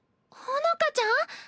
ほのかちゃん！